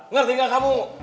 ngerti gak kamu